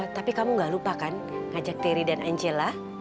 tapi kamu gak lupa kan ngajak terry dan angela